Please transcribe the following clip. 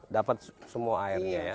dapat semua airnya ya